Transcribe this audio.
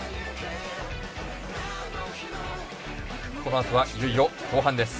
このあとは、いよいよ後半です。